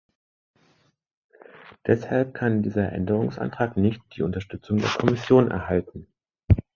Deshalb kann dieser Änderungsantrag nicht die Unterstützung der Kommission erhalten.